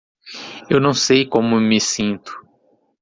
Eu não sei como me sinto